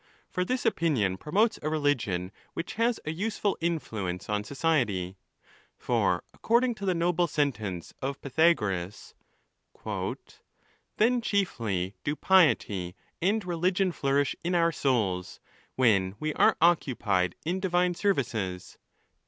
For this opinion promotes a religion which has a useful influence on society, _ For, according to the noble sentence of Pythagoras, "then chiefly do piety and religion flourish in our souls, when we are occupied in divine services."